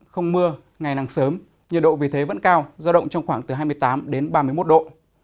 không mưa ngày nắng sớm nhiệt độ vì thế vẫn cao giao động trong khoảng từ hai mươi tám đến ba mươi một độ